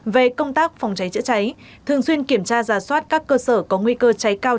về công tác phòng cháy chữa cháy thường xuyên kiểm tra giả soát các cơ sở có nguy cơ cháy cao